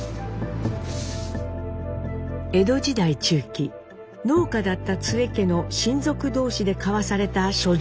江戸時代中期農家だった津江家の親族同士で交わされた書状だと言います。